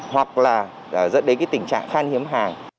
hoặc là dẫn đến tình trạng khan hiếm hàng